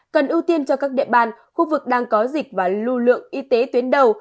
cần ưu tiên cho các địa bàn khu vực đang có dịch và lưu lượng y tế tuyến đầu